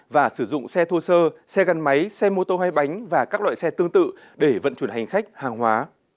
và sử dụng xe thô sơ xe gắn máy xe mô tô hay bánh và các loại xe tương tự để vận chuyển hành khách hàng hóa